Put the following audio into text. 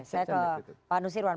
saya ke pak nusirwan